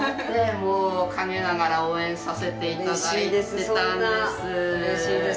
もう陰ながら応援させていただいてたんです。